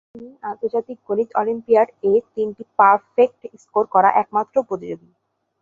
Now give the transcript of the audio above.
তিনি আন্তর্জাতিক গণিত অলিম্পিয়াড এ তিনটি পারফেক্ট স্কোর করা একমাত্র প্রতিযোগী।